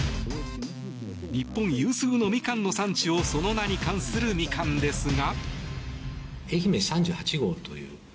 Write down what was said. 日本有数のミカンの産地をその名に冠するミカンですが。